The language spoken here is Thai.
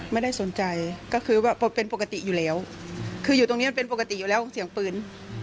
ไม่ได้สนใจก็คือว่าเป็นปกติอยู่แล้วคืออยู่ตรงนี้มันเป็นปกติอยู่แล้วของเสียงปืน